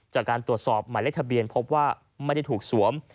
จากการตรวจสอบหมายเลขทะเบียนพบว่าไม่ได้ถูกสวม